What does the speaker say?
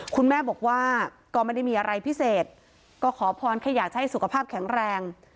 คุณแม่บอกว่าก็ไม่ได้มีอะไรพิเศษก็ขอพรแค่อยากจะให้สุขภาพแข็งแรง